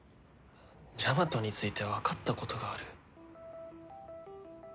「ジャマトについて分かったことがある」。